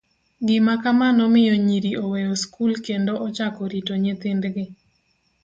Gima kama nomiyo nyiri oweyo skul kendo ochako rito nyithindgi.